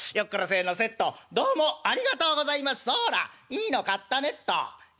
いいの買ったねっと」。